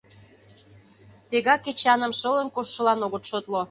— Тегак Эчаным шылын коштшылан огыт шотло.